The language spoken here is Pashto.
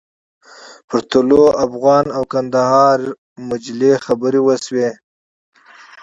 پر طلوع افغان او کندهار مجلې خبرې وشوې.